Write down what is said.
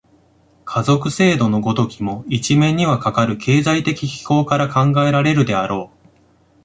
家族制度の如きも、一面にはかかる経済的機構から考えられるであろう。